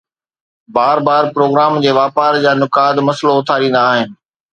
بار بار پروگرام جي واپار جا نقاد مسئلو اٿاريندا آهن